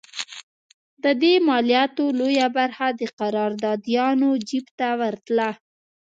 د دې مالیاتو لویه برخه د قراردادیانو جېب ته ورتله.